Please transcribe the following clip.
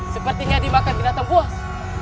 sepertinya dimakan binatang buas